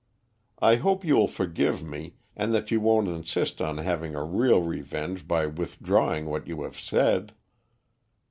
I hope you will forgive me, and that you won't insist on having a real revenge by withdrawing what you have said."